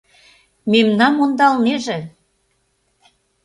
— Мемнам ондалынеже!